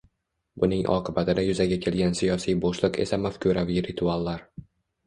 Buning oqibatida yuzaga kelgan siyosiy bo‘shliq esa mafkuraviy rituallar